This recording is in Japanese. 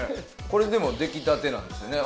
これでも出来たてなんですよね？